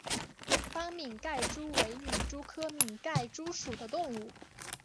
斑皿盖蛛为皿蛛科皿盖蛛属的动物。